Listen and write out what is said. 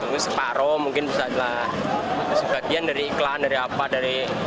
terus separoh mungkin bisa sebagian dari iklan dari apa dari